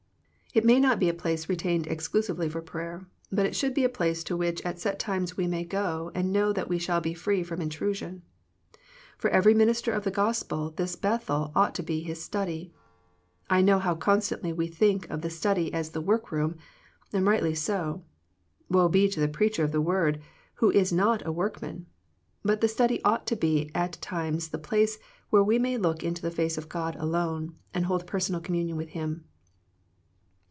It may not be a place retained exclusively for prayer, but it should be a place to which at set times we may go and know that we shall be free from intrusion. For every minister of the Gospel this Bethel ought to be his study. I know how constantly we think of the study as the workroom, and rightly so. Woe be to the preacher of the Word who is not a workman. But the study ought to be at times the place where we may look into the face of God alone and hold personal communion with Him.